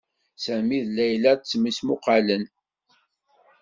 Sami d Layla ttmesmuqalen.